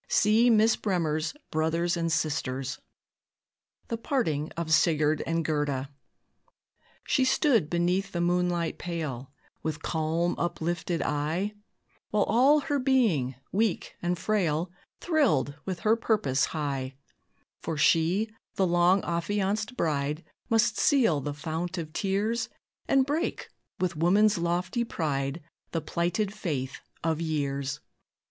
'" See Miss Bremer's "Brothers and Sisters." She stood beneath the moonlight pale, With calm, uplifted eye, While all her being, weak and frail, Thrilled with her purpose high; For she, the long affianced bride, Must seal the fount of tears, And break, with woman's lofty pride, The plighted faith of years.